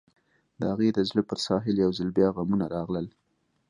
د هغې د زړه پر ساحل يو ځل بيا غمونه راغلل.